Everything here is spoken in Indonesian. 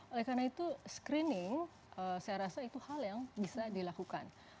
oleh karena itu screening saya rasa itu hal yang bisa dilakukan